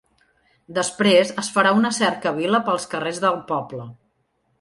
Després es farà una cercavila pels carrers del poble.